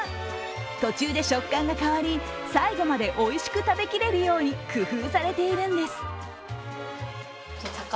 途中で食感が変わり最後までおいしく食べられるよう工夫されているんです。